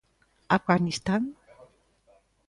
Afganistán?